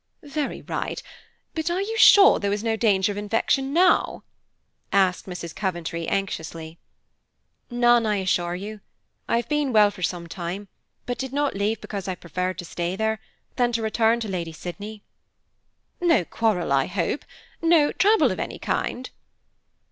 "Very right, but are you sure there is no danger of infection now?" asked Mrs. Coventry anxiously. "None, I assure you. I have been well for some time, but did not leave because I preferred to stay there, than to return to Lady Sydney." "No quarrel, I hope? No trouble of any kind?"